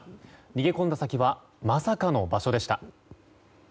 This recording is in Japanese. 逃げ込んだ先はまさかの場所でした。